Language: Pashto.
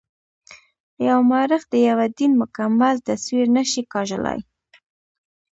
یو مورخ د یوه دین مکمل تصویر نه شي کاږلای.